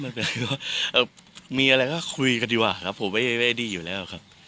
อ๋อไม่เป็นไรครับมีอะไรก็คุยกันดีกว่าครับผมไอ้ดีอยู่แล้วครับ